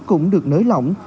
vẫn được nới lỏng